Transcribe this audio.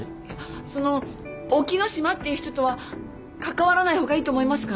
その沖野島っていう人とは関わらない方がいいと思いますか？